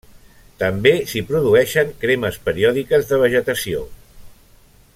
També s'hi produeixen cremes periòdiques de vegetació.